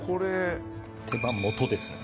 手羽元ですね。